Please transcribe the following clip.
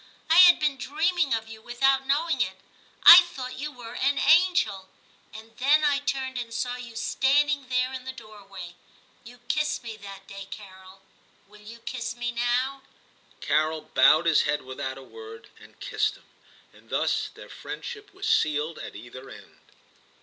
I had been dreaming of you without knowing it ; I thought you were an angel. And then I turned and saw you standing there in the XIII TIM 317 doorway. You kissed me that day, Carol. Will you kiss me now ?* Carol bowed his head without a word and kissed him. And thus their friendship was sealed at either end.